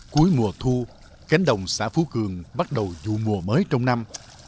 cuối mùa thu cánh đồng xã phú cường bắt đầu vụ mùa mới trong năm